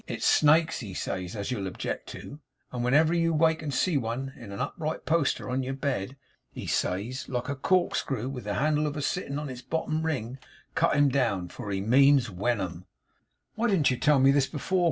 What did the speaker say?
It's snakes," he says, "as you'll object to; and whenever you wake and see one in a upright poster on your bed," he says, "like a corkscrew with the handle off a sittin' on its bottom ring, cut him down, for he means wenom."' 'Why didn't you tell me this before!